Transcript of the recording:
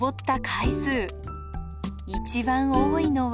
一番多いのは。